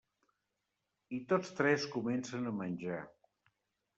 I tots tres comencen a menjar.